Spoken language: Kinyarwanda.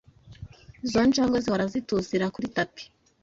Izo njangwe zihora zisiTUZIra kuri tapi.